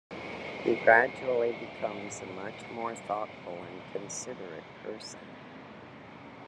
He gradually becomes a much more thoughtful and considerate person.